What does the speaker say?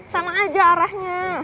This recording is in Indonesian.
sama aja arahnya